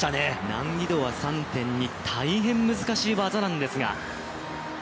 難易度は３．２大変難しい技なんですが。